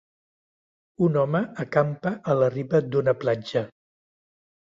Un home acampa a la riba d'una platja.